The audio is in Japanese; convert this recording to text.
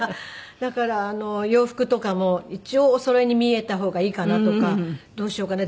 だからあの洋服とかも一応おそろいに見えた方がいいかな？とかどうしようかな？